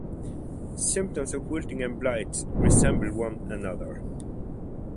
Symptoms of wilting and blights resemble one another.